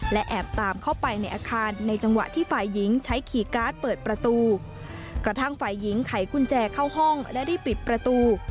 และแอบตามเข้าไปในอาคารในจังหวะที่ฝ่ายหญิงใช้ขี่การ์ดเปิดประตูกระทั่งฝ่ายหญิงไขกุญแจเข้าห้องและรีบปิดประตู